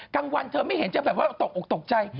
กลางวันเธอไม่เห็นเจ้าแบบว่าตกใจ